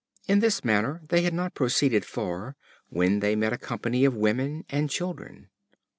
In this manner they had not proceeded far when they met a company of women and children.